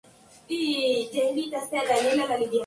Se volverá a la normalidad no dejando ningún tipo de secuela.